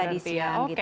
jam dua tadi siang gitu